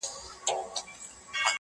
o د رڼاگانو شيسمحل کي به دي ياده لرم.